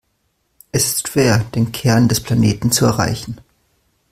Es ist schwer, den Kern des Planeten zu erreichen.